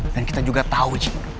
dan kita juga tau